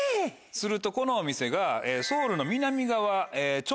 するとこのお店がソウルの南側清潭